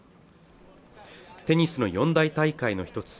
テニスの四大大会の一つ